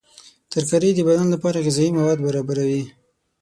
ترکاري د بدن لپاره غذایي مواد برابروي.